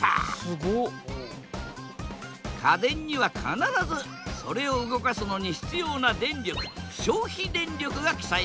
家電には必ずそれを動かすのに必要な電力消費電力が記載されている。